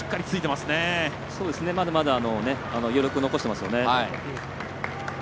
まだまだ余力を残してますよね。